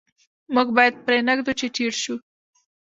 موږ باید پرې نه ږدو چې ټیټ شو.